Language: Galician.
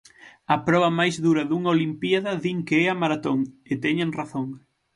A proba máis dura dunha Olimpíada din que é a maratón, e teñen razón.